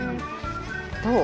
どう？